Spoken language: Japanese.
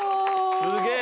すげえ！